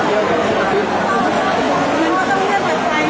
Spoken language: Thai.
ผมก็ต้องเรื่องตายการจนเรื่องแจก